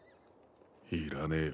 いらねえよ。